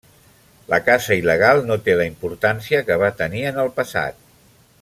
La caça il·legal no té la importància que va tenir en el passat.